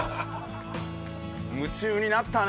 夢中になったね！